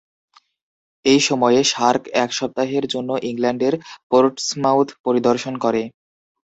এই সময়ে, "শার্ক" এক সপ্তাহের জন্য ইংল্যান্ডের পোর্টসমাউথ পরিদর্শন করে।